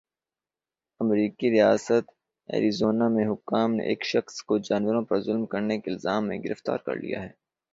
امریکی ریاست ایریزونا میں حکام نے ایک شخص کو جانوروں پر ظلم کرنے کے الزام میں گرفتار کرلیا ہے۔